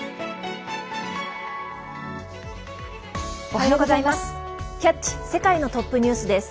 おはようございます。